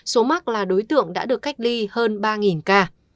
số mắc là đối tượng đã được cách ly hơn ba ca